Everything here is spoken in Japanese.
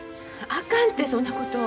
あかんてそんなこと。